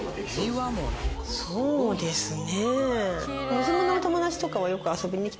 そうですね。